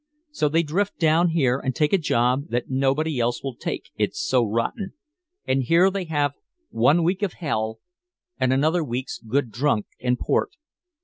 So they drift down here and take a job that nobody else will take, it's so rotten, and here they have one week of hell and another week's good drunk in port.